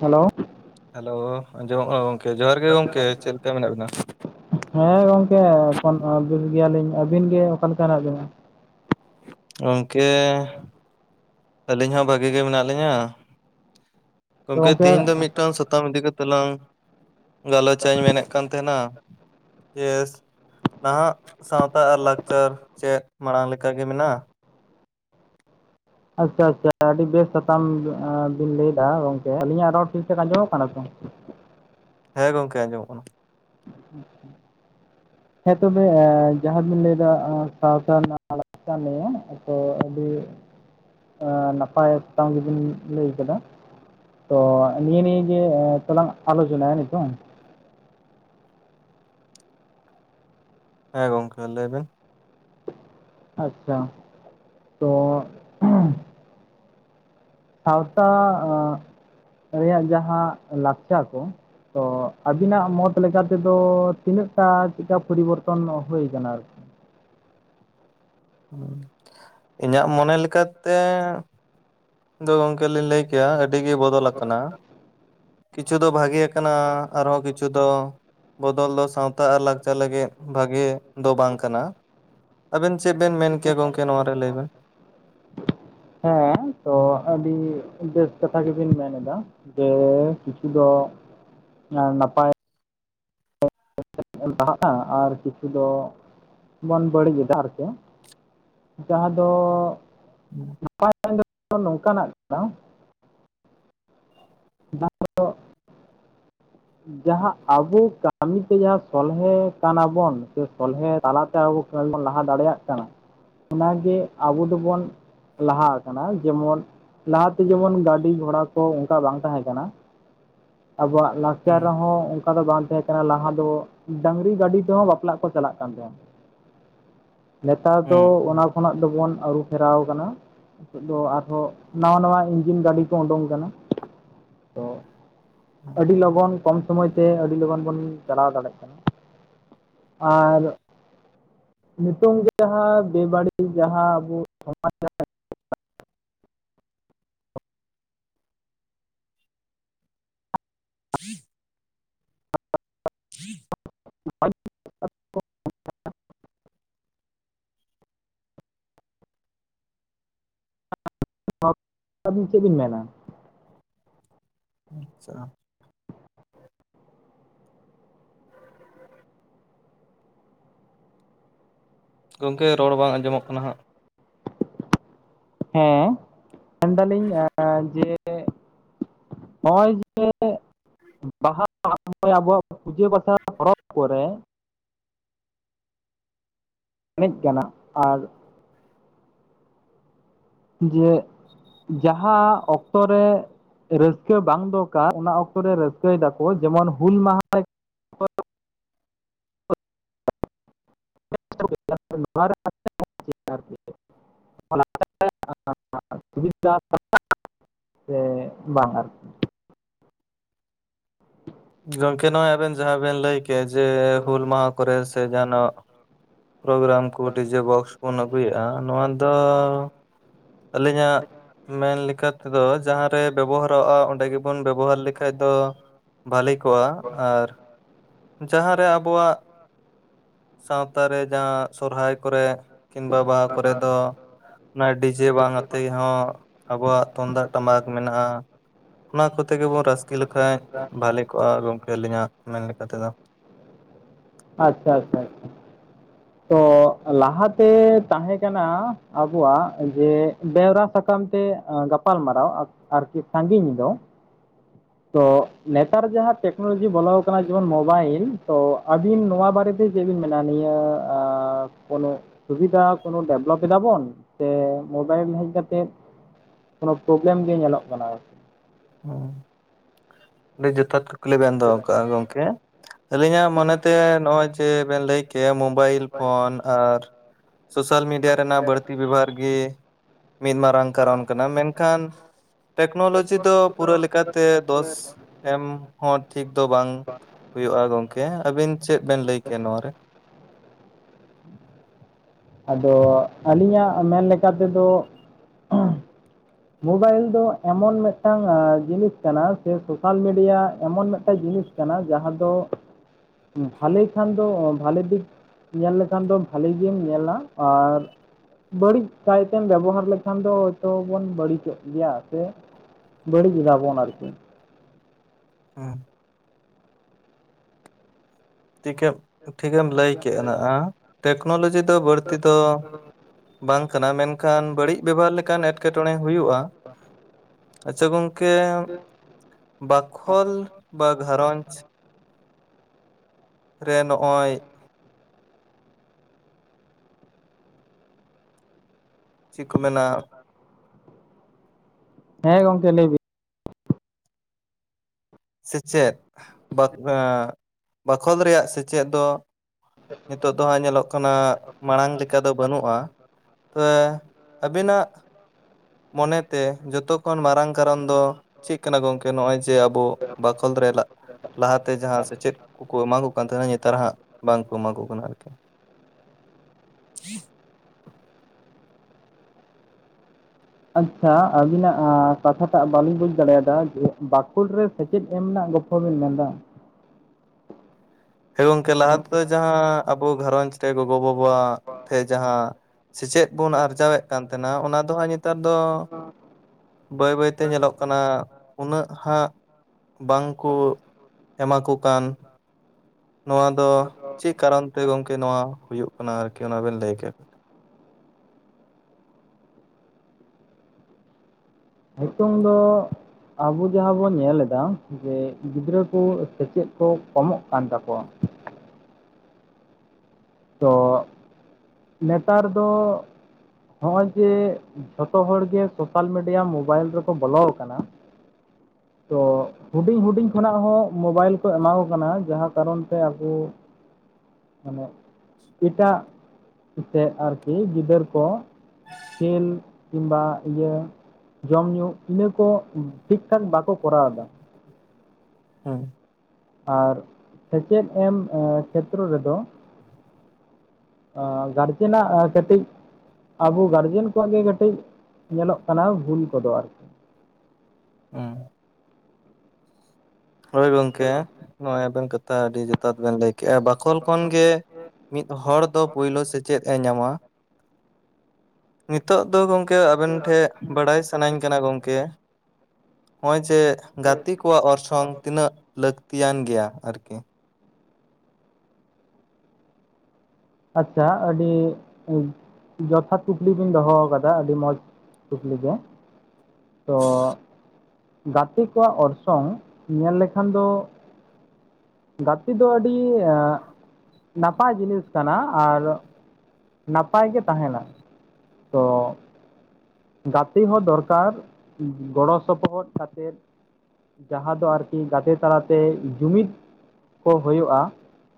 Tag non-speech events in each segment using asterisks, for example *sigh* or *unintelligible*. Hello hello ᱟᱡᱚᱢᱚᱜ ᱠᱟᱱᱟ ᱜᱚᱝᱠᱮ ᱡᱚᱦᱟᱨ ᱜᱮ ᱜᱚᱝᱠᱮ ᱪᱮᱫ ᱞᱮᱠᱟ ᱢᱮᱱᱟᱜ ᱵᱤᱱᱟ? ᱦᱮᱸ ᱜᱚᱝᱠᱮ ᱮᱠᱷᱚᱱ ᱵᱤᱥ ᱜᱮᱭᱟᱞᱤᱧ ᱟᱹᱵᱤᱱ ᱜᱮ ᱚᱠᱟᱞᱮᱠᱟ ᱦᱮᱱᱟᱜ ᱵᱤᱱᱟ? ᱜᱚᱝᱠᱮ ᱟᱹᱞᱤᱧ ᱦᱚᱸ ᱵᱷᱟᱹᱜᱤ ᱜᱮ ᱢᱮᱱᱟᱜ ᱞᱤᱧᱟᱹ ᱜᱚᱝᱠᱮ ᱛᱤᱦᱤᱧ ᱫᱚ ᱢᱤᱫ ᱴᱟᱝ ᱥᱟᱛᱟᱢ ᱤᱫᱤ ᱠᱟᱛᱮ ᱞᱟᱝ ᱜᱟᱞᱚᱪᱟᱧ ᱢᱮᱱᱮᱫ ᱠᱟᱱ ᱛᱟᱦᱮᱱᱟ ᱤᱭᱮᱥ ᱱᱟᱦᱟᱜ ᱥᱟᱶᱛᱟ ᱟᱨ ᱞᱟᱠᱪᱟᱨ ᱪᱮᱫ ᱢᱟᱲᱟᱝ ᱞᱮᱠᱟᱜᱮ ᱢᱮᱱᱟᱜ-ᱟ? ᱟᱪᱪᱷᱟ ᱟᱪᱪᱷᱟ ᱟᱹᱰᱤ ᱵᱮᱥ ᱥᱟᱛᱟᱢ ᱵᱤᱱ ᱞᱟᱹᱭᱫᱟ ᱜᱚᱝᱠᱮ ᱟᱞᱤᱧᱟᱜ ᱨᱚᱲ ᱴᱷᱤᱠ ᱴᱷᱟᱠ ᱟᱸᱡᱚᱢᱚᱜ ᱠᱟᱱᱟ ᱛᱚ? ᱦᱮᱸ ᱜᱚᱝᱠᱮ ᱟᱸᱡᱚᱢᱚᱜ ᱠᱟᱱᱟ᱾ ᱦᱮᱸ ᱛᱚᱵᱮ ᱡᱟᱦᱟᱸ ᱵᱤᱱ ᱞᱟᱹᱭ ᱫᱟ ᱥᱟᱶᱛᱟ ᱨᱮᱱᱟᱜ ᱠᱟᱹ ᱢᱮᱭᱟ ᱛᱚ ᱟᱹᱰᱤ ᱱᱟᱯᱟᱭ ᱥᱟᱛᱟᱝ ᱜᱮᱵᱤᱱ ᱞᱟᱹᱭ ᱠᱟᱫᱟ ᱛᱚ ᱱᱤᱭᱟᱹ ᱱᱤᱭᱟᱹᱜᱮ ᱛᱚᱞᱟᱝ ᱟᱞᱳᱪᱚᱱᱟᱭᱟ ᱱᱤᱛᱚᱝ ᱦᱮᱸ ᱜᱚᱝᱠᱮ ᱞᱟᱹᱭ ᱵᱮᱱ ᱟᱪᱪᱷᱟ ᱛᱚ ᱥᱟᱶᱛᱟ ᱨᱮᱭᱟᱜ ᱡᱟᱦᱟᱸ ᱞᱟᱠᱪᱟᱨ ᱠᱚ ᱛᱚ ᱟᱹᱵᱤᱱᱟᱜ ᱢᱚᱛ ᱞᱮᱠᱟᱛᱮᱫᱚ ᱛᱤᱱᱟᱹᱜ ᱴᱟ ᱪᱮᱫ ᱠᱟ ᱯᱚᱨᱤᱵᱚᱨᱛᱚᱱ ᱦᱩᱭᱩ ᱠᱟᱱᱟ ᱟᱨ ᱤᱧᱟᱜ ᱢᱚᱱᱮ ᱞᱮᱠᱟᱛᱮ ᱫᱚ ᱜᱚᱝᱠᱮ ᱞᱤᱧ ᱞᱟᱹᱭ ᱠᱮᱜ-ᱟ ᱟᱹᱰᱤ ᱜᱮ ᱵᱚᱫᱚᱞ ᱞᱠᱟᱱᱟ ᱠᱤᱪᱷᱩ ᱫᱚ ᱵᱷᱟᱜᱮ ᱭᱟᱠᱟᱱᱟ ᱟᱨᱦᱚᱸ ᱠᱤᱪᱷᱩ ᱫᱚ ᱵᱚᱫᱚᱞ ᱫᱚ ᱥᱟᱶᱛᱟ ᱟᱨ ᱞᱟᱠᱪᱟᱨ ᱞᱟᱜᱮᱫ ᱵᱷᱟᱜᱮ ᱫᱚ ᱵᱟᱝ ᱠᱟᱱᱟ ᱟᱵᱮᱱ ᱪᱮᱫ ᱵᱮᱱ ᱢᱮᱱ ᱠᱮᱭᱟ ᱜᱚᱝᱠᱮ ᱱᱚᱣᱟ ᱨᱮ ᱞᱟᱹᱭ ᱵᱮᱱ ᱦᱮᱸ ᱛᱚ ᱟᱹᱰᱤ ᱵᱮᱥ ᱠᱟᱛᱷᱟ ᱜᱮᱵᱤᱱ ᱢᱮ ᱱᱮᱫᱟ ᱡᱮ ᱠᱤᱪᱷᱩ ᱫᱚ ᱱᱟᱯᱟᱭ ᱞᱟᱦᱟᱜ-ᱟ *unintelligible* ᱟᱨ ᱠᱤᱪᱷᱩ ᱫᱚ ᱵᱚᱱ ᱵᱟᱹᱲᱤᱡ ᱮᱟ ᱟᱨᱠᱤ ᱡᱟᱸᱦᱟ ᱫᱚ *inaudible* *unintelligible* ᱱᱚᱝᱠᱟᱱᱟᱜ ᱠᱟᱱᱟ *unintelligible* ᱦᱩᱸ ᱡᱟᱦᱟᱸ ᱟᱵᱚ ᱠᱟᱹᱢᱤᱛᱮ ᱡᱟᱦᱟᱸ ᱥᱚᱞᱦᱮ ᱠᱟᱱᱟᱵᱚᱱ ᱥᱮ ᱥᱚᱞᱦᱮ ᱛᱟᱞᱟᱛᱮ ᱟᱵᱚ ᱚᱞ ᱵᱚᱱ ᱞᱟᱦᱟ ᱫᱟᱲᱮᱭᱟᱜ ᱠᱟᱱᱟ ᱚᱱᱟᱜᱮ ᱟᱵᱚ ᱫᱚᱵᱚᱱ ᱞᱟᱦᱟ ᱟᱠᱟᱱᱟ ᱡᱮᱢᱚᱱ ᱞᱟᱦᱟᱛᱮ ᱡᱮᱢᱚᱱ ᱜᱟᱹᱰᱤ ᱜᱷᱚᱲᱟ ᱠᱚ ᱚᱱᱠᱟ ᱵᱟᱝ ᱛᱟᱦᱮᱸ ᱠᱟᱱᱟ ᱟᱵᱚᱣᱟᱜ ᱞᱟᱠᱪᱟᱨ ᱦᱩᱸ ᱨᱮᱦᱚᱸ ᱫᱚ ᱵᱟᱝ ᱛᱟᱸᱦᱮ ᱠᱟᱱᱟ ᱞᱟᱦᱟ ᱫᱚ ᱰᱟᱹᱝᱨᱤ ᱜᱟᱹᱰᱤ ᱛᱮᱦᱚᱸ ᱵᱟᱯᱞᱟᱜ ᱠᱚ ᱪᱟᱞᱟᱜ ᱠᱟᱱ ᱛᱟᱦᱮᱱ ᱱᱮᱛᱟᱨ ᱫᱚ ᱦᱩᱸ ᱚᱱᱟ ᱠᱷᱚᱱᱟᱜ ᱫᱚᱵᱚᱱ ᱟᱹᱨᱩ ᱯᱷᱮᱨᱟᱣ ᱠᱟᱱᱟ ᱱᱤᱛᱚᱜ ᱫᱚ ᱟᱨᱦᱚᱸ ᱱᱟᱣᱟ ᱱᱟᱣᱟ ᱤᱧᱡᱤᱱ ᱜᱟᱰᱤ ᱠᱚ ᱩᱰᱩᱝ ᱠᱟᱱᱟ ᱛᱚ ᱟᱹᱰᱤ ᱞᱚᱜᱚᱱ ᱠᱚᱢ ᱥᱚᱢᱚᱭ ᱛᱮ ᱟᱹᱰᱤ ᱞᱚᱜᱚᱱ ᱵᱚᱱ ᱪᱟᱞᱟᱣ ᱫᱟᱲᱮᱜ ᱠᱟᱱᱟ ᱟᱨ ᱱᱤᱛᱚᱝ ᱜᱮ ᱡᱟᱦᱟᱸ ᱵᱮᱵᱟᱹᱲᱤᱡ ᱡᱟᱦᱟᱸ ᱟᱵᱚ ᱥᱚᱢᱟᱡᱽ ᱨᱮ *inaudible* *inaudible* *inaudible* ᱟᱹᱵᱤᱱ ᱪᱮᱫ ᱵᱤᱱ ᱢᱮᱱᱟ ᱾ ᱟᱪᱪᱷᱟ ᱾ ᱜᱚᱢᱠᱮ ᱨᱚᱲ ᱵᱟᱝ ᱟᱸᱡᱚᱢᱚᱜ ᱠᱟᱱᱟ ᱦᱟᱸᱜ ᱾ ᱦᱮᱸ ᱢᱮᱱ ᱫᱟᱞᱤᱧ ᱡᱮ ᱱᱚᱜᱼᱚᱭ ᱡᱮ ᱵᱟᱦᱟ ᱢᱟᱜᱽ ᱢᱚᱬᱮ ᱟᱵᱚᱣᱟᱜ ᱯᱩᱡᱟᱹ ᱵᱟᱥᱟ ᱯᱚᱨᱚᱵᱽ ᱠᱚᱨᱮ ᱮᱱᱮᱡ ᱠᱟᱱᱟ ᱟᱨ ᱡᱮ ᱡᱟᱦᱟᱸ ᱚᱠᱛᱚ ᱨᱮ ᱨᱟᱹᱥᱠᱟᱹ ᱵᱟᱝ ᱫᱚᱨᱠᱟᱨ, ᱚᱱᱟ ᱚᱠᱛᱚ ᱨᱮ ᱨᱟᱹᱥᱠᱟᱹᱭ ᱫᱟᱠᱚ ᱡᱮᱢᱚᱱ ᱦᱩᱞ ᱢᱟᱦᱟᱸ *inaudible* *inaudible* ᱥᱮ ᱵᱟᱝ ᱟᱨ ᱜᱚᱢᱠᱮ ᱱᱚᱜᱼᱚᱭ ᱟᱵᱮᱱ ᱡᱟᱦᱟᱸ ᱵᱮᱱ ᱞᱟᱹᱭ ᱠᱮᱜ ᱡᱮ ᱦᱩᱞ ᱢᱟᱦᱟ ᱠᱚᱨᱮ ᱥᱮ ᱡᱟᱦᱟᱱᱟᱜ ᱯᱨᱳᱜᱨᱟᱢ ᱠᱚ ᱰᱤᱡᱮ ᱵᱚᱠᱥ ᱵᱚᱱ ᱟᱹᱜᱩᱭᱮᱫᱼᱟ ᱱᱚᱣᱟ ᱫᱚ ᱟᱹᱞᱤᱧᱟᱜ ᱢᱮᱱ ᱞᱮᱠᱟ ᱛᱮᱫᱚ ᱡᱟᱦᱟᱸ ᱨᱮ ᱵᱮᱵᱚᱦᱟᱨᱚᱜᱼᱟ, ᱚᱸᱰᱮ ᱜᱮᱵᱚᱱ ᱵᱮᱵᱚᱦᱟᱨ ᱞᱮᱠᱷᱟᱡ ᱫᱚ ᱵᱷᱟᱹᱞᱮ ᱠᱚᱜᱼᱟ ᱟᱨ ᱡᱟᱦᱟᱸ ᱨᱮ ᱟᱵᱚᱣᱟᱜ ᱥᱟᱶᱛᱟ ᱨᱮ ᱡᱟᱦᱟᱸ ᱥᱚᱨᱦᱟᱭ ᱠᱚᱨᱮ ᱠᱤᱢᱵᱟ ᱵᱟᱦᱟ ᱠᱚᱨᱮ ᱫᱚ ᱚᱱᱟ ᱰᱤᱡᱮ ᱵᱟᱝ ᱟᱛᱮᱫ ᱦᱚᱸ ᱟᱵᱚᱣᱟᱜ ᱛᱩᱢᱫᱟᱜ ᱴᱟᱢᱟᱠ ᱢᱮᱱᱟᱜᱼᱟ᱾ ᱚᱱᱟ ᱠᱚᱛᱮ ᱜᱮᱵᱚᱱ ᱨᱟᱹᱥᱠᱟᱹ ᱞᱮᱠᱷᱟᱡ ᱵᱷᱟᱞᱮ ᱠᱚᱜᱼᱟ, ᱜᱚᱢᱠᱮ ᱟᱹᱞᱤᱧᱟᱜ ᱢᱮᱱ ᱞᱮᱠᱟ ᱛᱮᱫᱚ ᱾ ᱟᱪᱪᱷᱟ, ᱟᱪᱪᱷᱟ ᱾ ᱛᱚ ᱞᱟᱦᱟᱛᱮ ᱛᱟᱦᱮᱸ ᱠᱟᱱᱟ ᱟᱵᱚᱣᱟᱜ ᱡᱮ ᱵᱮᱣᱨᱟ ᱥᱟ ᱠᱟᱢ ᱛᱮ ᱜᱟᱯᱟᱞ ᱢᱟᱨᱟᱣ ᱟᱨᱠᱤ ᱥᱟᱺᱜᱤᱧ ᱫᱚ ᱾ ᱛᱚ ᱱᱮᱛᱟᱨ ᱡᱟᱦᱟᱸ ᱴᱮᱠᱱᱳᱞᱚᱡᱤ ᱵᱚᱞᱚ ᱟᱠᱟᱱᱟ, ᱡᱮᱢᱚᱱ ᱢᱳᱵᱟᱭᱤᱞ ᱛᱚ ᱟᱵᱤᱱ ᱱᱚᱣᱟ ᱵᱟᱨᱮ ᱛᱮ ᱪᱮᱫ ᱵᱤᱱ ᱢᱮᱱᱟ ᱱᱤᱭᱟᱹ ᱟᱸ, ᱠᱳᱱᱳ ᱥᱩᱵᱤᱫᱷᱟ ᱠᱳᱱᱚ ᱰᱮᱵᱷᱞᱚᱯ ᱮᱫᱟᱵᱚᱱ ᱥᱮ ᱢᱳᱵᱟᱭᱤᱞ ᱦᱮᱡ ᱠᱟᱛᱮᱜ ᱠᱳᱱᱳ ᱯᱨᱳᱵᱽᱞᱮᱢ ᱜᱮ ᱧᱮᱞᱚᱜ ᱠᱟᱱᱟ ᱾ ᱦᱮᱸ ᱟᱹᱰᱤ ᱡᱚᱛᱷᱟᱛ ᱠᱩᱠᱞᱤ ᱵᱤᱱ ᱫᱚᱦᱚ ᱠᱟᱜᱼᱟ ᱜᱚᱢᱠᱮ ᱾ ᱟᱹᱞᱤᱧᱟᱜ ᱢᱚᱱᱮ ᱛᱮ ᱱᱚᱜᱼᱚᱭ ᱡᱮ ᱵᱮᱱ ᱞᱟᱹᱭᱠᱮᱜ ᱢᱳᱵᱟᱭᱤᱞ ᱯᱷᱳᱱ ᱟᱨ ᱥᱳᱥᱟᱞ ᱢᱤᱰᱤᱭᱟ ᱨᱮᱱᱟᱜ ᱵᱟᱹᱲᱛᱤ ᱵᱮᱵᱷᱟᱨ ᱜᱮ ᱢᱤᱫ ᱢᱟᱨᱟᱝ ᱠᱟᱨᱚᱱ ᱠᱟᱱᱟ᱾ ᱢᱮᱱᱠᱷᱟᱱ ᱴᱮᱠᱱᱳᱞᱚᱡᱤ ᱫᱚ ᱯᱩᱨᱟᱹ ᱞᱮᱠᱟᱛᱮ ᱫᱚᱥ ᱮᱢ ᱦᱚᱸ ᱴᱷᱤᱠ ᱫᱚ ᱵᱟᱝ ᱦᱩᱭᱩᱜᱼᱟ ᱜᱚᱝᱠᱮ ᱟᱵᱤᱱ ᱪᱮᱫ ᱵᱮᱱ ᱞᱟᱹᱭ ᱠᱮᱭᱟ ᱱᱚᱣᱟ ᱨᱮ ᱾ *inaudible* ᱟᱫᱚ ᱟᱹᱞᱤᱧᱟᱜ ᱢᱮᱱ ᱞᱮᱠᱟ ᱛᱮᱫᱚ ᱢᱳᱵᱟᱭᱤᱞ ᱫᱚ ᱮᱢᱚᱱ ᱢᱤᱫᱴᱟᱝ ᱡᱤᱱᱤᱥ ᱠᱟᱱᱟ ᱥᱮ ᱥᱳᱥᱟᱞ ᱢᱤᱰᱤᱭᱟ ᱮᱢᱚᱱ ᱢᱤᱫᱴᱟᱝ ᱡᱤᱱᱤᱥ ᱠᱟᱱᱟ ᱡᱟᱦᱟᱸ ᱫᱚ ᱵᱷᱟᱞᱮ ᱠᱷᱟᱱ ᱫᱚ ᱵᱷᱟᱞᱮ ᱫᱤᱠ ᱧᱮᱞ ᱞᱮᱠᱷᱟᱱ ᱫᱚ ᱵᱷᱟᱞᱤ ᱜᱮᱢ ᱧᱮᱞᱟ ᱟᱨ ᱵᱟᱹᱲᱤᱡ ᱠᱟᱭᱛᱮᱢ ᱵᱮᱵᱚᱦᱟᱨ ᱞᱮᱠᱷᱟᱱ ᱫᱚ ᱦᱚᱭᱛᱚ ᱵᱚᱱ ᱵᱟᱹᱲᱤᱡᱚᱜ ᱜᱮᱭᱟ ᱥᱮ ᱵᱟᱹᱲᱤᱡ ᱫᱟᱵᱚᱱ ᱟᱨᱠᱤ ᱾ ᱦᱮᱸ ᱾ ᱪᱤᱠᱟᱹ ᱴᱷᱤᱠᱮᱢ ᱞᱟᱹᱭ ᱠᱮᱫ-ᱟ ᱱᱟᱜᱼᱟ ᱴᱮᱠᱱᱳᱞᱚᱡᱤ ᱫᱚ ᱵᱟᱹᱲᱛᱤ ᱫᱚ ᱵᱟᱝ ᱠᱟᱱᱟ ᱢᱮᱱᱠᱷᱟᱱ ᱵᱟᱹᱲᱤᱡ ᱵᱮᱵᱚᱦᱟᱨ ᱞᱮᱠᱟᱱ ᱮᱸᱴᱠᱮᱴᱚᱬᱮ ᱦᱩᱭᱩᱜᱼᱟ᱾ ᱟᱪᱪᱷᱟ ᱜᱚᱝᱠᱮ ᱵᱟᱠᱷᱳᱞ ᱵᱟ ᱜᱷᱟᱨᱚᱸᱡᱽ ᱨᱮ ᱱᱚᱜᱼᱚᱭ ᱪᱤᱫ ᱠᱚ ᱢᱮᱱᱟ ᱦᱮᱸ ᱜᱚᱝᱠᱮ ᱞᱟᱹᱭ ᱵᱤᱱ ᱥᱮᱪᱮᱫ ᱵᱟᱠ ᱮᱜᱸ ᱵᱟᱠᱷᱚᱞ ᱨᱮᱭᱟᱜ ᱥᱮᱪᱮᱫ ᱫᱚ ᱱᱤᱛᱚᱜ ᱫᱚ ᱦᱟᱸᱜ ᱧᱮᱞᱚᱜ ᱠᱟᱱᱟ ᱢᱟᱲᱟᱝ ᱞᱮᱠᱟ ᱫᱚ ᱵᱟᱹᱱᱩᱜᱼᱟ ᱛᱮ ᱟᱹᱵᱤᱱᱟᱜ ᱢᱚᱱᱮᱛᱮ ᱡᱚᱛᱚ ᱠᱷᱚᱱ ᱢᱟᱨᱟᱝ ᱠᱟᱨᱚᱱ ᱫᱚ ᱪᱮᱫ ᱠᱟᱱᱟ ᱜᱚᱝᱠᱮ ᱱᱚᱜᱼᱚᱭ ᱡᱮ ᱟᱵᱚ ᱵᱟᱠᱷᱚᱞ ᱨᱮᱞᱟᱫ ᱞᱟᱦᱟᱛᱮ ᱡᱟᱦᱟᱸ ᱥᱮᱪᱮᱫ ᱠᱚᱠᱚ ᱮᱢᱟ ᱠᱚ ᱠᱟᱱ ᱛᱟᱦᱮᱱᱟ ᱱᱮᱛᱟᱨ ᱦᱟᱸᱜ ᱵᱟᱝ ᱠᱚ ᱮᱢᱟ ᱠᱚ ᱠᱟᱱᱟ ᱟᱨᱠᱤ *inaudible* ᱟᱪᱪᱷᱟ ᱟᱹᱵᱤᱱᱟᱜ ᱠᱟᱛᱷᱟᱴᱟᱜ ᱵᱟᱹᱞᱤᱧ ᱵᱩᱡ ᱫᱟᱲᱮᱭᱟᱫᱟ ᱡᱮ ᱵᱟᱸᱠᱷᱩᱞ ᱨᱮ ᱥᱮᱪᱮᱫ ᱮᱢ ᱨᱮᱱᱟᱜ ᱜᱚᱯᱷᱚᱵᱮᱱ ᱢᱮᱱ ᱫᱟ? ᱦᱮᱸ ᱜᱚᱝᱠᱮ ᱞᱟᱦᱟ ᱛᱮᱫᱚ ᱡᱟᱦᱟᱸ ᱟᱵᱚ ᱜᱷᱟᱨᱚᱸᱡᱽ ᱨᱮ ᱜᱚᱜᱚᱼᱵᱟᱵᱟ ᱴᱷᱮᱡ ᱡᱟᱦᱟᱸ ᱥᱮᱪᱮᱫ ᱵᱚᱱ ᱟᱨᱡᱟᱣᱮᱫ ᱠᱟᱱ ᱛᱟᱦᱮᱱᱟ ᱚᱱᱟ ᱫᱚ ᱦᱟᱸᱜ ᱧᱮᱛᱟᱨ ᱫᱚ ᱵᱟᱹᱭ ᱵᱟᱹᱭ ᱛᱮ ᱧᱮᱞᱚᱜ ᱠᱟᱱᱟ ᱩᱱᱟᱹᱜ ᱦᱟᱸᱜ ᱵᱟᱝᱠᱩ ᱮᱢᱟ ᱠᱚ ᱠᱟᱱ ᱾ ᱱᱚᱣᱟ ᱫᱚ ᱪᱮᱫ ᱠᱟᱨᱚᱱ ᱛᱮ ᱜᱚᱝᱠᱮ ᱱᱚᱣᱟ ᱦᱩᱭᱩᱜ ᱠᱟᱱᱟ ᱟᱨᱠᱤ ᱚᱱᱟ ᱵᱤᱱ ᱞᱟᱹᱭ ᱠᱮᱛ ᱱᱤᱛᱚᱝ ᱫᱚ ᱟᱵᱚ ᱡᱟᱦᱟᱸ ᱵᱚᱱ ᱧᱮᱞ ᱮᱫᱟ ᱡᱮ ᱜᱤᱫᱽᱨᱟᱹ ᱠᱚ ᱥᱮᱪᱮᱫ ᱠᱚ ᱠᱚᱢᱚᱜ ᱠᱟᱱ ᱛᱟᱠᱚᱣᱟ ᱛᱚ ᱱᱮᱛᱟᱨ ᱫᱚ ᱦᱚᱜᱼᱚᱭ ᱡᱮ ᱡᱷᱚᱛᱚ ᱦᱚᱲ ᱜᱮ ᱥᱳᱥᱟᱞ ᱢᱤᱰᱤᱭᱟ ᱢᱳᱵᱟᱭᱤᱞ ᱨᱮᱠᱚ ᱵᱚᱞᱚ ᱟᱠᱟᱱᱟ ᱛᱚ ᱦᱩᱰᱤᱧ ᱦᱩᱰᱤᱧ ᱠᱷᱚᱱᱟᱜ ᱦᱚᱸ ᱢᱳᱵᱟᱭᱤᱞ ᱠᱚ ᱮᱢᱟ ᱠᱚ ᱠᱟᱱᱟ ᱡᱟᱦᱟᱸ ᱠᱟᱨᱚᱱ ᱛᱮ ᱟᱵ ᱟᱢᱟᱜ ᱮᱴᱟᱜ ᱥᱮᱫ ᱟᱨᱠᱤ ᱜᱤᱫᱟᱹᱨ ᱠᱚ ᱠᱷᱮᱞ ᱠᱤᱝ ᱵᱟ ᱤᱭᱟᱹ ᱡᱚᱢ ᱧᱩ ᱤᱱᱟᱹ ᱠᱚ ᱴᱷᱤᱠ ᱴᱷᱟᱠ ᱵᱟᱠᱚ ᱠᱚᱨᱟᱣ ᱮᱫᱟ ᱦᱮᱸ ᱟᱨ ᱥᱮᱪᱮᱫ ᱮᱢ ᱠᱷᱮᱛᱨᱚ ᱨᱮᱫᱚ ᱟ ᱜᱟᱨᱡᱮᱱᱟᱜ ᱠᱟᱹᱴᱤᱡ ᱟᱵᱚ ᱜᱟᱨᱡᱮᱱ ᱠᱚᱣᱟᱜ ᱜᱮ ᱠᱟᱹᱴᱤᱡ ᱧᱮᱞᱚᱜ ᱠᱟᱱᱟ ᱵᱷᱩᱞ ᱠᱚᱫᱚ ᱟᱨᱠᱤ ᱦᱩᱸ ᱦᱚᱳᱭ ᱜᱚᱝᱠᱮ ᱱᱚᱜᱼᱚᱭ ᱟᱵᱮᱱ ᱠᱟᱛᱷᱟ ᱟᱹᱰᱤ ᱡᱚᱛᱷᱟᱛ ᱵᱮᱱ ᱞᱟᱹᱭ ᱠᱮᱭᱼᱟ ᱵᱟᱠᱷᱳᱞ ᱠᱷᱚᱱᱜᱮ ᱢᱤᱫ ᱦᱚᱲ ᱫᱚ ᱯᱩᱭᱞᱳ ᱥᱮᱪᱮᱫ ᱮ ᱧᱟᱢᱟ᱾ ᱱᱤᱛᱚᱜ ᱫᱚ ᱜᱚᱝᱠᱮ ᱟᱵᱮᱱ ᱴᱷᱮᱡ ᱵᱟᱲᱟᱭ ᱥᱟᱱᱟᱹᱧ ᱠᱟᱱᱟ ᱜᱚᱝᱠᱮ? ᱱᱚᱜᱼᱚᱭ ᱡᱮ ᱜᱟᱛᱮ ᱠᱚᱣᱟᱜ ᱚᱨᱥᱚᱝ ᱛᱤᱱᱟᱹᱜ ᱞᱟᱹᱠᱛᱤᱭᱟᱱ ᱜᱮᱭᱟ ᱟᱨᱠᱤ? ᱟᱪᱪᱷᱟ ᱟᱹᱰᱤ ᱡᱚᱛᱷᱟᱛ ᱠᱩᱠᱞᱤ ᱵᱤᱱ ᱫᱚᱦᱚ ᱟᱠᱟᱫᱟ ᱟᱹᱰᱤ ᱢᱚᱸᱡᱽ ᱴᱩᱠᱞᱤ ᱫᱚ ᱛᱚᱻ ᱜᱟᱛᱮ ᱠᱚᱣᱟᱜ ᱚᱨᱥᱚᱝ ᱧᱮᱞ ᱞᱮᱠᱷᱟᱱ ᱫᱚ ᱜᱟᱛᱮ ᱫᱚ ᱟᱹᱰᱤ ᱟᱜ ᱱᱟᱯᱟᱭ ᱡᱤᱱᱤᱥ ᱠᱟᱱᱟ ᱟᱨ ᱱᱟᱯᱟᱭ ᱜᱮ ᱛᱟᱦᱮᱱᱟ᱾ ᱛᱚ ᱜᱟᱛᱮ ᱦᱚᱸ ᱫᱚᱨᱠᱟᱨ ᱜᱚᱲᱚ ᱥᱚᱯᱚᱦᱚᱫ ᱠᱟᱛᱮᱫ ᱡᱟᱦᱟᱸ ᱫᱚ ᱟᱨᱠᱤ ᱜᱟᱛᱮ ᱛᱟᱞᱟᱛᱮ ᱡᱩᱢᱤᱫ ᱠᱚ ᱦᱩᱭᱩᱜᱼᱟ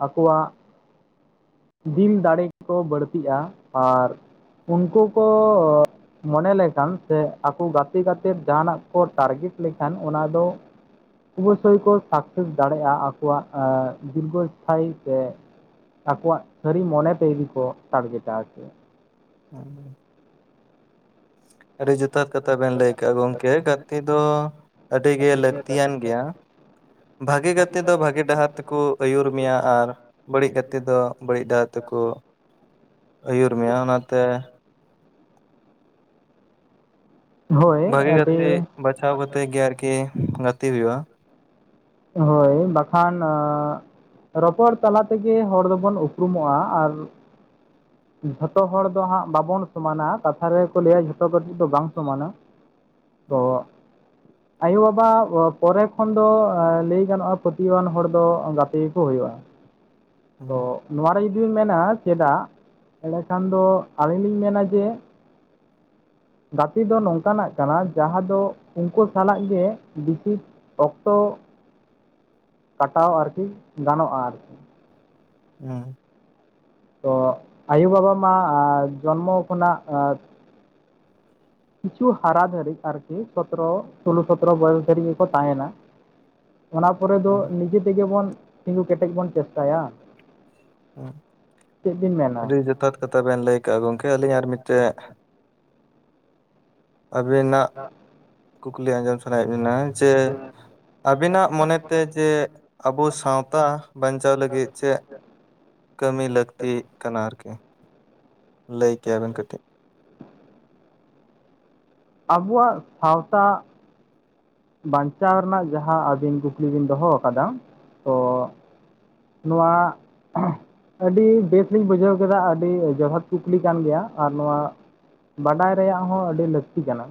ᱟᱠᱚᱣᱟᱜ ᱫᱤᱱ ᱫᱟᱲᱮᱠᱚ ᱵᱟᱹᱲᱛᱤᱜᱼᱟ ᱟᱨ ᱩᱱᱠᱩ ᱠᱚᱻ ᱢᱚᱱᱮ ᱞᱮᱠᱷᱟᱱ ᱥᱮ ᱟᱠᱚ ᱜᱟᱛᱮ ᱜᱟᱛᱮ ᱡᱟᱦᱟᱱᱟᱜ ᱠᱚ ᱴᱟᱨᱜᱮᱴ ᱞᱮᱠᱷᱟᱱ ᱚᱱᱟ ᱫᱚ ᱚᱵᱚᱥᱥᱳᱭ *unintelligible* ᱠᱚ ᱥᱟᱠᱥᱮᱥ *unintelligible* ᱫᱟᱲᱮᱭᱟᱜᱼᱟ ᱟᱠᱚᱣᱟᱜ ᱫᱤᱨᱜᱚ ᱤᱥᱛᱷᱟᱭᱤ *unintelligible* ᱛᱮ᱾ ᱟᱠᱚᱣᱟᱜ ᱥᱟᱹᱨᱤ ᱢᱚᱱᱮ ᱛᱮ ᱡᱩᱫᱤ ᱠᱚ ᱴᱟᱨᱜᱮᱴᱟ *unintelligible* ᱟᱨᱠᱤ᱾ ᱦᱩᱸ *inaudible* ᱟᱹᱰᱤ ᱡᱚᱛᱷᱟᱛ ᱠᱟᱛᱷᱟ ᱵᱮᱱ ᱞᱟᱹᱭ ᱠᱟᱜᱼᱟ ᱜᱚᱢᱠᱮ ᱜᱟᱛᱮ ᱫᱚ ᱟᱹᱰᱤᱜᱮ ᱞᱟᱹᱠᱛᱤᱭᱟᱱ ᱜᱮᱭᱟ᱾ ᱵᱷᱟᱜᱮ ᱜᱟᱛᱮ ᱫᱚ ᱵᱷᱟᱜᱮ ᱰᱟᱦᱟᱨ ᱛᱮᱠᱚ ᱟᱹᱭᱩᱨ ᱢᱮᱭᱟ ᱟᱨ ᱵᱟᱹᱲᱤᱡ ᱜᱟᱛᱮ ᱫᱚ ᱵᱟᱹᱲᱤᱡ ᱰᱟᱦᱟᱨ ᱛᱮᱠᱚ ᱟᱹᱭᱩᱨ ᱢᱮᱭᱟ ᱚᱱᱟᱛᱮ ᱦᱳᱭ ᱵᱷᱟᱹᱜᱤ ᱜᱟᱛᱮ ᱟᱹᱰᱤ ᱵᱟᱪᱷᱟᱣ ᱠᱟᱛᱮᱜ ᱜᱮ ᱟᱨᱠᱤ ᱜᱟᱛᱮ ᱦᱳᱭᱳᱜᱼᱟ᱾ ᱦᱳᱭ, ᱵᱟᱠᱷᱟᱱ ᱚᱻ ᱨᱚᱯᱚᱲ ᱛᱟᱞᱟ ᱛᱮᱜᱮ ᱦᱚᱲ ᱫᱚᱵᱚᱱ ᱩᱯᱨᱩᱢᱚᱜᱼᱟ ᱟᱨ, ᱡᱷᱚᱛᱚ ᱦᱚᱲ ᱫᱚ ᱦᱟᱸᱜ ᱵᱟᱵᱚᱱ ᱥᱚᱢᱟᱱᱟ᱾ ᱠᱟᱛᱷᱟ ᱨᱮᱜᱮᱠᱚ ᱞᱟᱹᱭᱟ ᱡᱷᱚᱛᱚ ᱠᱟᱹᱴᱩᱵ ᱫᱚ ᱵᱟᱝ ᱥᱚᱢᱟᱱᱟ᱾ ᱦᱩᱸ ᱛᱚᱜ, ᱟᱭᱳ ᱵᱟᱵᱟ ᱯᱚᱨᱮ ᱠᱷᱚᱱ ᱫᱚ ᱞᱟᱹᱭ ᱜᱟᱱᱚᱜᱼᱟ ᱯᱟᱹᱛᱭᱟᱹᱣᱟᱱ ᱦᱚᱲ ᱫᱚ ᱜᱟᱛᱮ ᱜᱮᱠᱚ ᱦᱩᱭᱩᱜᱼᱟ᱾ ᱛᱚᱜ, ᱱᱚᱣᱟᱨᱮ ᱡᱩᱫᱤᱢ ᱢᱮᱱᱟ ᱪᱮᱫᱟᱜ? ᱮᱲᱮᱠᱷᱟᱱ ᱫᱚ ᱟᱹᱞᱤᱧ ᱞᱤᱧ ᱢᱮᱱᱟ ᱡᱮ ᱜᱟᱛᱮ ᱫᱚ ᱱᱚᱝᱠᱟᱱᱟᱜ ᱠᱟᱱᱟ ᱡᱟᱦᱟᱸ ᱫᱚ ᱩᱱᱠᱩ ᱥᱟᱞᱟᱜ ᱜᱮ ᱵᱤᱥᱤ ᱚᱠᱛᱚ ᱠᱟᱴᱟᱣ ᱟᱨᱠᱤ ᱜᱟᱱᱚᱜᱼᱟ ᱟᱨᱠᱤ᱾ ᱦᱩᱸ᱾ ᱛᱚ ᱟᱭᱳᱵᱟᱵᱟ ᱢᱟ ᱮ ᱡᱚᱱᱢᱚ *unintelligible* ᱠᱷᱚᱱᱟᱜ ᱼᱟ ᱠᱤᱪᱷᱩ ᱦᱟᱨᱟ ᱫᱷᱟᱹᱨᱤᱡ ᱟᱨᱠᱤ ᱥᱚᱛᱨᱚ ᱥᱳᱞᱳ ᱥᱚᱛᱨᱚ *unintelligible* ᱵᱚᱭᱚᱥ ᱫᱷᱟ. ᱨᱤᱡ ᱜᱮᱠᱚ ᱛᱟᱦᱮᱱᱟ᱾ *unintelligible* ᱚᱱᱟ ᱯᱚᱨᱮ ᱫᱚ ᱱᱤᱡᱮ ᱛᱮᱜᱮ ᱵᱚᱱ ᱛᱤᱸᱜᱩ ᱠᱮᱴᱮᱡ ᱵᱚᱱ ᱪᱮᱥᱴᱟᱭᱟ᱾ ᱪᱮᱫ ᱵᱤᱱ ᱢᱮᱱᱟ ᱟᱹᱰᱤ ᱡᱚᱛᱷᱟᱛ ᱠᱟᱛᱷᱟ ᱵᱮᱱ ᱞᱟᱹᱭ ᱠᱟᱜᱼᱟ ᱜᱚᱝᱠᱮ ᱟᱹᱞᱤᱧ ᱟᱨ ᱢᱤᱫᱴᱮᱡ ᱟᱵᱤᱱᱟᱜ ᱠᱩᱠᱞᱤ ᱟᱸᱡᱚᱢ ᱥᱟᱱᱟᱭᱮᱫ ᱵᱤᱱᱟ ᱡᱮ ᱟᱵᱤᱱᱟᱜ ᱢᱚᱱᱮᱛᱮ ᱡᱮ ᱟᱵᱚ ᱥᱟᱶᱛᱟ ᱵᱟᱧᱪᱟᱣ ᱞᱟᱹᱜᱤᱫ ᱪᱮᱫ? ᱠᱟᱹᱢᱤ ᱞᱟᱹᱠᱛᱤᱜ ᱠᱟᱱᱟ ᱟᱨᱠᱤ ᱞᱟᱹᱭ ᱠᱮᱭᱟᱵᱮᱱ ᱠᱟᱹᱴᱤᱡ᱾ ᱟᱵᱚᱣᱟᱜ ᱥᱟᱶᱛᱟ ᱵᱟᱧᱪᱟᱣ ᱨᱮᱱᱟᱜ ᱡᱟᱦᱟᱸ ᱟᱹᱵᱤᱱ ᱠᱩᱠᱞᱤ ᱵᱤᱱ ᱫᱚᱦᱚ ᱟᱠᱟᱫᱟ ᱛᱚ ᱱᱚᱣᱟ, ᱟᱹᱰᱤ ᱵᱮᱥᱞᱤᱧ ᱵᱩᱡᱷᱟᱹᱣ ᱠᱮᱫᱟ ᱟᱹᱰᱤ ᱡᱚᱦᱚᱛ ᱠᱩᱠᱞᱤ ᱠᱟᱱ ᱜᱮᱭᱟ, ᱟᱨ ᱱᱚᱣᱟ ᱵᱟᱰᱟᱭ ᱨᱮᱭᱟᱜ ᱦᱚᱸ ᱟᱹᱰᱤ ᱞᱟᱹᱠᱛᱤ ᱠᱟᱱᱟ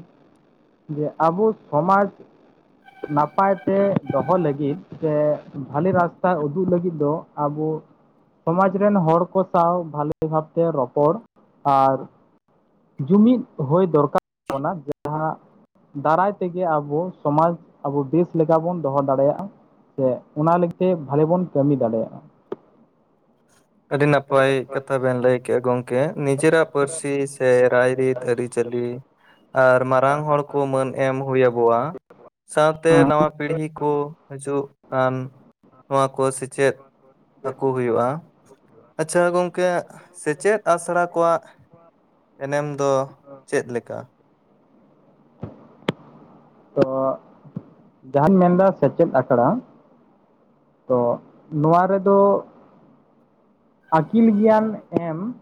ᱡᱮ ᱟᱵᱚ ᱥᱚᱢᱟᱡᱽ ᱱᱟᱯᱟᱭ ᱛᱮ ᱫᱚᱦᱚ ᱞᱟᱹᱜᱤᱫ ᱥᱮ ᱵᱷᱟᱞᱮ ᱨᱟᱥᱛᱟ ᱩᱫᱩᱜ ᱞᱟᱹᱜᱤᱫ ᱫᱚ ᱟᱵᱚ ᱥᱚᱢᱟᱡᱽ ᱨᱮᱱ ᱦᱚᱲ ᱠᱚ ᱥᱟᱶ ᱵᱷᱟᱞᱮ ᱵᱷᱟᱵᱽᱛᱮ ᱨᱚᱯᱚᱲ, ᱟᱨ ᱡᱩᱢᱤᱫ ᱦᱩᱭ ᱫᱚᱨᱠᱟᱨ *inaudible* ᱡᱟᱦᱟᱸ ᱫᱟᱨᱟᱭ ᱛᱮᱜᱮ ᱟᱵᱚ ᱥᱚᱢᱟᱡᱽ ᱟᱵᱚ ᱵᱮᱥ ᱞᱮᱠᱟ ᱵᱚᱱ ᱫᱚᱦᱚ ᱫᱟᱲᱮᱭᱟᱜᱼᱟ᱾ ᱥᱮ ᱚᱱᱟ ᱞᱟᱹᱜᱤᱫ ᱛᱮ ᱵᱷᱟᱞᱮ ᱵᱚᱱ ᱠᱟᱹᱢᱤ ᱫᱟᱲᱮᱭᱟᱜᱼᱟ᱾ ᱟᱹᱰᱤ ᱱᱟᱯᱟᱭ ᱠᱟᱛᱷᱟ ᱵᱮᱱ ᱞᱟᱹᱭ ᱠᱮᱫᱮᱜᱼᱟ ᱜᱚᱝᱠᱮ, ᱱᱤᱡᱮᱨᱟᱜ ᱯᱟᱹᱨᱥᱤ ᱥᱮ ᱨᱟᱭᱨᱤᱛ ᱟᱹᱨᱤᱪᱟᱹᱞᱤ ᱟᱨ ᱢᱟᱨᱟᱝ ᱦᱚᱲ ᱠᱚ ᱢᱟᱹᱱ ᱮᱢ ᱦᱩᱭ ᱟᱵᱚᱣᱟ᱾ ᱥᱟᱶᱛᱮ ᱱᱟᱣᱟ ᱯᱤᱲᱦᱤ ᱠᱚ ᱦᱟᱹᱡᱩᱜ ᱠᱟᱱ ᱱᱚᱣᱟ ᱠᱚ ᱥᱮᱪᱮᱫ᱾ ᱟᱠᱚ ᱦᱩᱭᱩᱜᱼᱟ᱾ ᱟᱪᱷᱟ ᱜᱚᱝᱠᱮ ᱥᱮᱪᱮᱫ ᱟᱥᱲᱟ ᱠᱚᱣᱟᱜ ᱮᱱᱮᱢ ᱫᱚ ᱪᱮᱫᱞᱮᱠᱟ? ᱛᱚ ᱡᱟᱦᱟᱢ ᱢᱮᱱᱫᱟ ᱥᱮᱪᱮᱫ ᱟᱠᱷᱲᱟ ᱛᱚᱜ ᱱᱚᱣᱟ ᱨᱮᱫᱚ ᱟᱠᱤᱞ ᱜᱮᱭᱟᱱ ᱮᱢ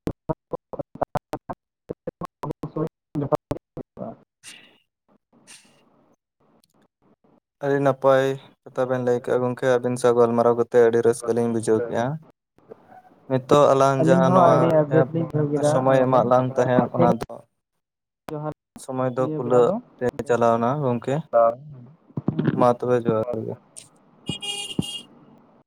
*unintelligible* *unintelligible* ᱟᱹᱰᱤ ᱱᱟᱯᱟᱭ ᱠᱟᱛᱷᱟ ᱵᱮᱱ ᱞᱟᱹᱭ ᱠᱮᱜᱼᱟ ᱜᱚᱝᱠᱮ ᱟᱹᱵᱤᱱ ᱥᱟᱶ ᱜᱟᱞᱢᱟᱨᱟᱣ ᱠᱟᱛᱮᱫ ᱟᱹᱰᱤ ᱨᱟᱹᱥᱠᱟᱹ ᱞᱤᱧ ᱵᱩᱡᱷᱟᱹᱣ ᱠᱮᱜᱼᱟ᱾ ᱱᱤᱛᱚᱜ ᱟᱞᱟᱝ ᱟᱹᱞᱤᱧ ᱡᱟᱦᱟᱸ ᱦᱚᱸ ᱱᱚᱣᱟ ᱟᱹᱰᱤ ᱵᱮᱥ ᱮᱯ ᱞᱤᱧ ᱵᱩᱡᱷᱟᱹᱣ ᱠᱮᱫᱟ ᱥᱚᱢᱚᱭ ᱜᱚᱝᱠᱮ ᱮᱢᱟᱜ ᱞᱟᱝ ᱛᱟᱦᱮᱸᱱ ᱚᱱᱟ ᱴᱷᱤᱠ ᱫᱚ ᱡᱚᱦᱟᱨ ᱥᱚᱢᱚᱭ ᱫᱚ ᱱᱤᱭᱟᱹ ᱵᱮᱲᱟ ᱠᱩᱞᱟᱹᱜ ᱫᱚ ᱛᱮ ᱤᱱᱠᱟᱹ ᱜᱮ᱾ ᱪᱟᱞᱟᱣ ᱮᱱᱟ ᱜᱚᱝᱠᱮ᱾ ᱢᱟ ᱛᱚᱵᱮ ᱡᱚᱦᱟᱨ ᱜᱮ᱾